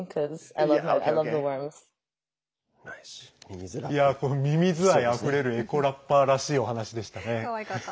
ミミズ愛あふれるエコラッパーらしいお話でしたね。